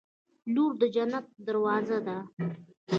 • لور د جنت دروازه ده.